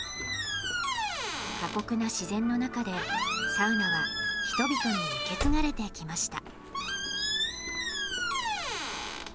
過酷な自然の中でサウナは人々に受け継がれてきました。